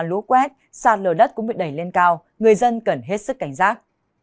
nếu có xảy ra lũ quét sạt lờ đất cũng bị đẩy lên cao người dân cần hết sức cảnh giác